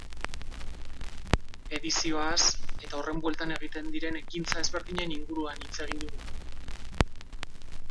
Edizioaz eta horren bueltan egiten diren ekintza ezberdinen inguruan hitz egin digu.